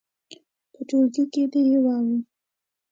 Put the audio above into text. په ټولګي کې دې یې واوروي.